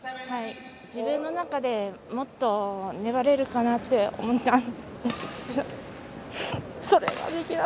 自分の中でもっと粘れるかなと思ったんですけど。